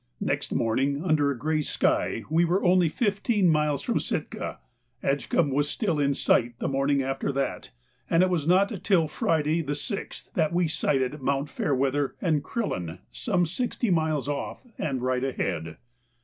Next morning, under a grey sky, we were only fifteen miles from Sitka; Edgcumbe was still in sight the morning after that; and it was not till Friday the 6th that we sighted Mounts Fairweather and Crillon, some sixty miles off, and right ahead.